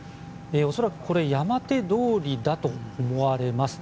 恐らくこれ、山手通りだと思われます。